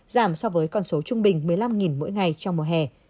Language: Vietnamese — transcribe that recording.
giảm so với con số trung bình